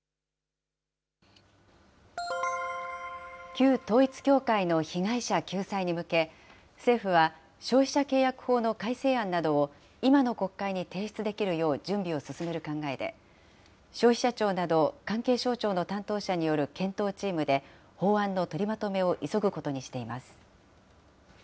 旧統一教会の被害者救済に向け、政府は、消費者契約法の改正案などを、今の国会に提出できるよう準備を進める考えで、消費者庁など関係省庁の担当者による検討チームで法案の取りまとめを急ぐことにしています。